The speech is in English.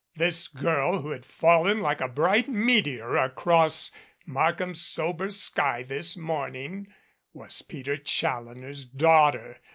This girl who had fallen like a bright meteor across Mark ham's sober sky this morning was Peter Challoner's daughter.